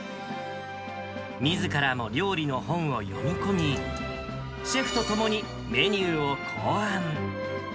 みずからも料理の本を読み込み、シェフとともにメニューを考案。